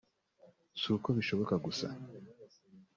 “Si uko bishoboka gusa